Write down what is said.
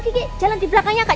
kiki jalan di belakangnya kak